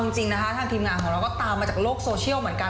จริงนะคะทางทีมงานของเราก็ตามมาจากโลกโซเชียลเหมือนกัน